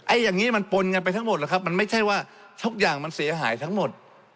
อย่างนี้มันปนกันไปทั้งหมดแล้วครับมันไม่ใช่ว่าทุกอย่างมันเสียหายทั้งหมด